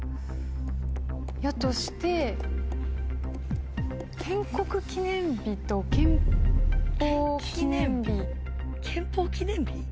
やとして建国記念日と憲法記念日。